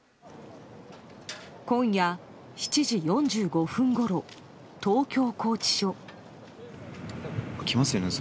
今夜７時４５分ごろ東京拘置所。